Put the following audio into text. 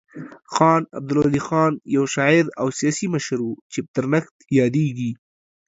خان عبدالغني خان یو شاعر او سیاسي مشر و چې په درنښت یادیږي.